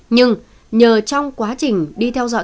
nhưng nhờ trong quá trình đi theo dõi